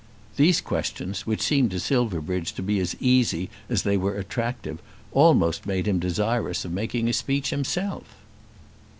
These questions, which seemed to Silverbridge to be as easy as they were attractive, almost made him desirous of making a speech himself.